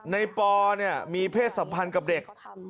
ปอเนี่ยมีเพศสัมพันธ์กับเด็ก